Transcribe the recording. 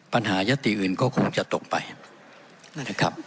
ยัตติอื่นก็คงจะตกไปนะครับ